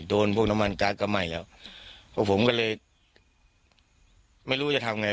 โดนพวกน้ำมันการ์ดก็ไหม้แล้วพวกผมก็เลยไม่รู้จะทำไง